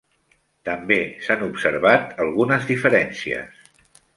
També s'han observat algunes diferències.